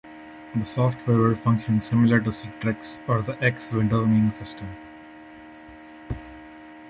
This software would function similar to Citrix or the X Windowing system.